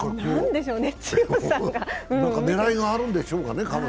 何か狙いがあるんでしょうかね。